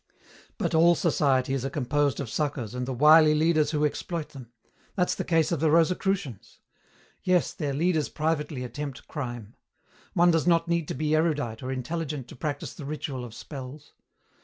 "But all societies are composed of suckers and the wily leaders who exploit them. That's the case of the Rosicrucians. Yes, their leaders privately attempt crime. One does not need to be erudite or intelligent to practise the ritual of spells.